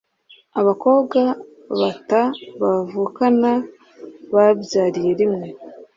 abakobwa batau bavukana babyariye rimwe